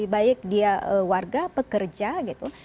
baik dia warga pekerja gitu